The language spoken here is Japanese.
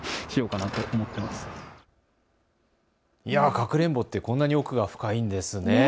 かくれんぼってこんなに奥が深いんですね。